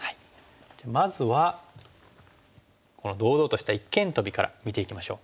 じゃあまずはこの堂々とした一間トビから見ていきましょう。